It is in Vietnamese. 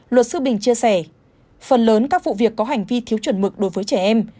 luật sư bình chia sẻ phần lớn các vụ việc có hành vi thiếu chuẩn mực đối với trẻ em